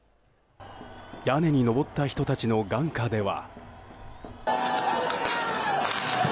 屋根に上った人たちの眼下では。